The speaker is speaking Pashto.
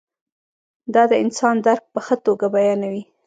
دا د انسان درک په ښه توګه بیانوي.